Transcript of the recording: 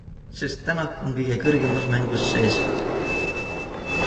Sest Tänak on kõige kõrgemas mängus sees!